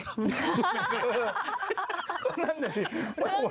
ร่างใหญ่แล้ว